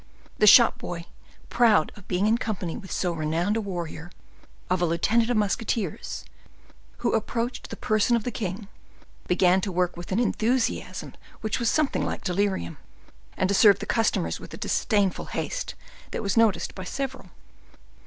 The shop boy, proud of being in company with so renowned a warrior, of a lieutenant of musketeers, who approached the person of the king, began to work with an enthusiasm which was something like delirium, and to serve the customers with a disdainful haste that was noticed by several.